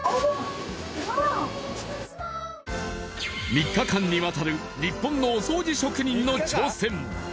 ３日間にわたる日本のお掃除職人の挑戦！